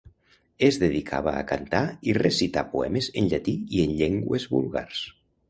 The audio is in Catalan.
Es dedicava a cantar i recitar poemes en llatí i en llengües vulgars.